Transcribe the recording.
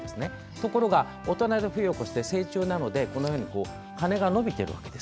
ところが大人で冬を越して成虫なのでこのように羽が伸びている。